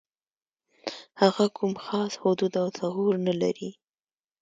هغه کوم خاص حدود او ثغور نه لري.